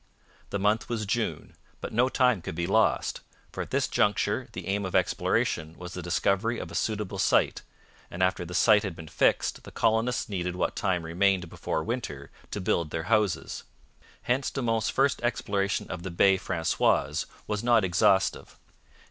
The month was June, but no time could be lost, for at this juncture the aim of exploration was the discovery of a suitable site, and after the site had been fixed the colonists needed what time remained before winter to build their houses. Hence De Monts' first exploration of the Baye Francoise was not exhaustive.